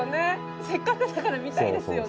せっかくだから見たいですよね。